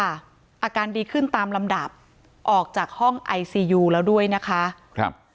อาการดีขึ้นตามลำดับออกจากห้องไอซียูแล้วด้วยนะคะครับ